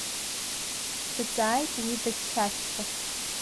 Дҵааит уи дычча-ччо.